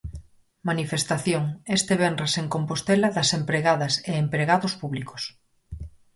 Manifestación este venres en Compostela das empregadas e empregados públicos.